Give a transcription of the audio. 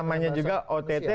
namanya juga ott